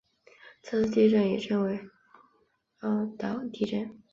这次地震也称为奥尻岛地震。